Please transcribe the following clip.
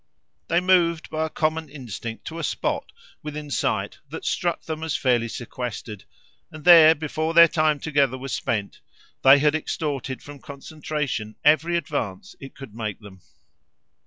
They moved by a common instinct to a spot, within sight, that struck them as fairly sequestered, and there, before their time together was spent, they had extorted from concentration every advance it could make them.